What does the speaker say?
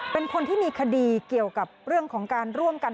เป็นคนที่มีคดีเกี่ยวกับเรื่องของการร่วมกัน